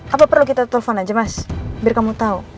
apa perlu kita telfon aja mas biar kamu tau